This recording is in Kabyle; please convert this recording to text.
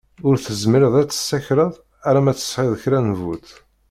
Ur tezmireḍ ad t-tessakreḍ ala ma tesεiḍ kra n ttbut.